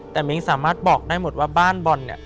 แต่มิ้งสามารถบอกได้หมดว่าบ้านบอลเนี่ย